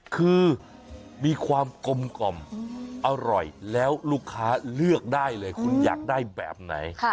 คือมีความกลมกล่อมอร่อยแล้วลูกค้าเลือกได้เลยคุณอยากได้แบบไหน